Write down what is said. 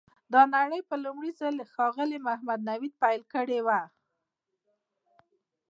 دا لړۍ په لومړي ځل ښاغلي محمد نوید پیل کړې وه.